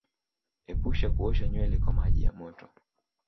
Epuka kuosha nywele kwa maji ya moto